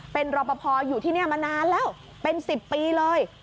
เป็นรอปภอยู่ที่นี่มานานแล้วเป็น๑๐ปีเลย